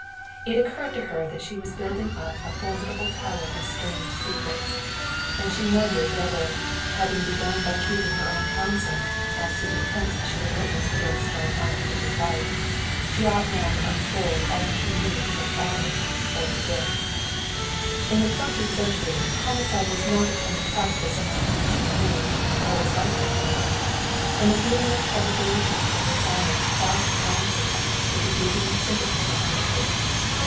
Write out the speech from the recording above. It occurred to her that she was building up a formidable tower of strange secrets, and she wondered whether, having begun by keeping her own counsel as to the attempts she had witnessed against John Armitage's life, she ought now to unfold all she knew to her father or to Dick. In the twentieth century homicide was not a common practice among men she knew or was likely to know; and the feeling of culpability for her silence crossed lances with a deepening sympathy for Armitage.